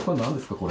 これ。